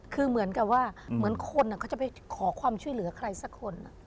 คือเหมือนกับว่าเหมือนคนเขาจะไปขอความช่วยเหลือใครสักคน